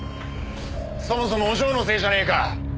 そもそもお嬢のせいじゃねえか！